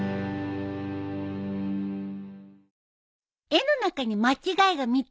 絵の中に間違いが３つあるよ。